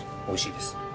おいしいです。